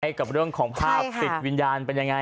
ในการมีของภาพปิดวิญญาณเป็นยังไง